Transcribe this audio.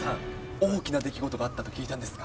大きな出来事があったと聞いたんですが。